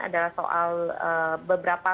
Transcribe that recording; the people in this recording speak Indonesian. adalah soal beberapa